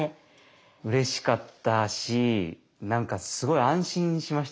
うれしかったし何かすごい安心しました。